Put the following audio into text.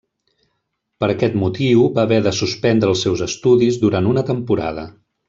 Per aquest motiu, va haver de suspendre els seus estudis durant una temporada.